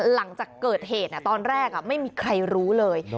หลังจากเกิดเหตุตอนแรกไม่มีใครรู้เลย